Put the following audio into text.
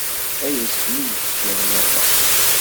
Ay asmi iččiɣ baba!